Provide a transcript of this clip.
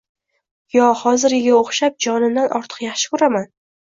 Yo hozirgiga o’xshab jonimdan ortiq yaxshi ko’raman.